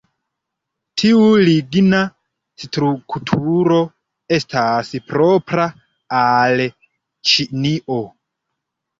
Tiu ligna strukturo estas propra al Ĉinio.